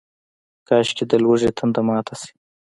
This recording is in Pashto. کاشکي، د لوږې تنده ماته شي